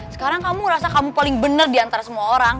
sekarang kamu ngerasa kamu paling bener diantara semua orang